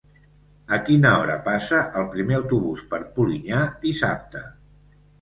A quina hora passa el primer autobús per Polinyà dissabte?